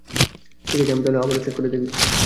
ঠিক আছে, আমি তাহলে আবারও চেক করে দেখি!